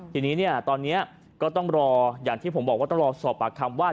ทีนี้เนี่ยตอนนี้ก็ต้องรออย่างที่ผมบอกว่าต้องรอสอบปากคำว่า